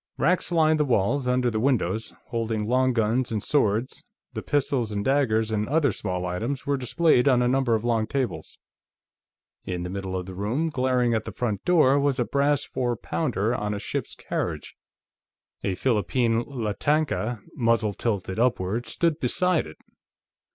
Racks lined the walls, under the windows, holding long guns and swords; the pistols and daggers and other small items were displayed on a number of long tables. In the middle of the room, glaring at the front door, was a brass four pounder on a ship's carriage; a Philippine latanka, muzzle tilted upward, stood beside it.